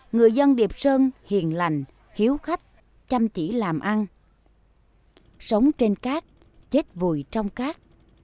người dân điệp sơn hiền lành hiếu khách chăm chỉ làm ăn sống trên cát chết vùi trong cát